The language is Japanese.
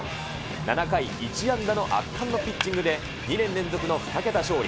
７回１安打の圧巻のピッチングで、２年連続の２桁勝利。